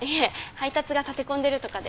配達が立て込んでるとかで。